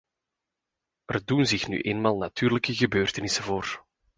Er doen zich nu eenmaal natuurlijke gebeurtenissen voor.